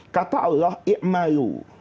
kata allah iqmalu